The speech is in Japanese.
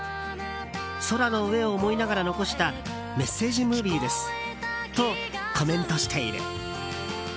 空の上を思いながら残したメッセージムービーですとコメントしている。